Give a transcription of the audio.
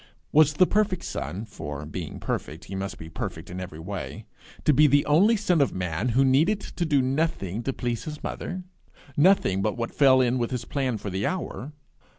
Was the perfect son, for, being perfect, he must be perfect every way, to be the only son of man who needed do nothing to please his mother nothing but what fell in with his plan for the hour?